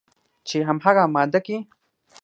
چې همغه ماده کې